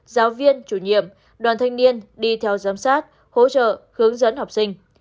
giáo viên chủ nhiệm đoàn thanh niên đi theo giám sát hỗ trợ hướng dẫn học sinh